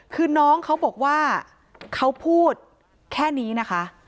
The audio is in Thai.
คือน้องเขาบอกว่าเขาพูดแค่นี้นะคะ